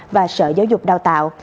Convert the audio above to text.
và sở giáo dục đào tạo